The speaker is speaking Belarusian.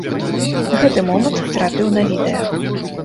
Гэты момант трапіў на відэа.